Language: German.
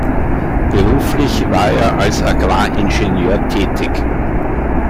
Beruflich war er als Agrar-Ingenieur tätig.